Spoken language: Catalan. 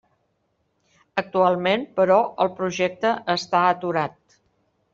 Actualment, però, el projecte està aturat.